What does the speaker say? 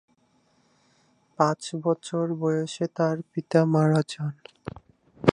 পাঁচ বছর বয়সে তার পিতা মারা যান।